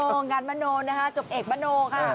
มาโนกันมาโนนะคะจบเอกมาโนค่ะ